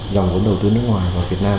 dòng vốn đầu tư nước ngoài vào việt nam